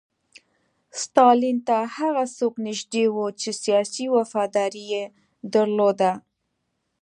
ستالین ته هغه څوک نږدې وو چې سیاسي وفاداري یې درلوده